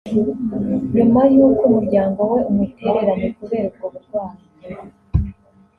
nyuma y’uko umuryango we umutereranye kubera ubwo burwayi